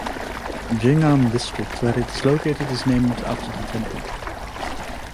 Jing'an District, where it is located, is named after the temple.